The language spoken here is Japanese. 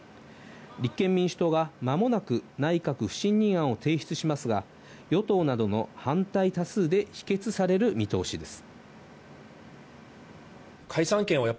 立憲民主党がまもなく内閣不信任案を提出しますが、与党などの反対多数で否決される見通しです。